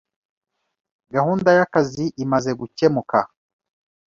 Gahunda y'akazi imaze gukemuka